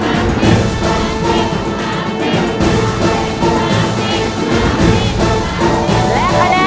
แล้วคะแนนของน้องเกร็กคือ